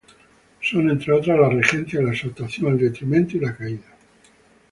Son, entre otras, la regencia, la exaltación, el detrimento y la caída.